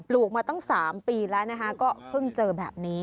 ลูกมาตั้ง๓ปีแล้วนะคะก็เพิ่งเจอแบบนี้